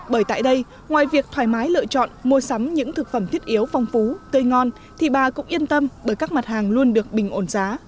bởi tại đây ngoài việc thoải mái lựa chọn mua sắm những thực phẩm thiết yếu phong phú cây ngon thì bà cũng yên tâm bởi các mặt hàng luôn được bình ổn giá